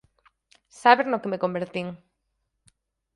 Sabes no que me convertín.